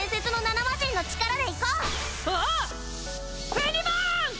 フェニバーン！